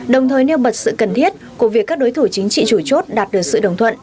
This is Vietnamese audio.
đồng thời nêu bật sự cần thiết của việc các đối thủ chính trị chủ chốt đạt được sự đồng thuận